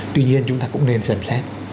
tuy nhiên chúng ta cũng nên sận xét